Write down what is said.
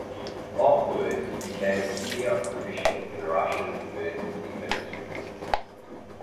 Afterwards he became a senior official in Russia's emergencies ministry.